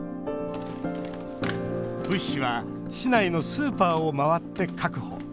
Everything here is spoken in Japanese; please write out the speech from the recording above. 物資は市内のスーパーを回って確保。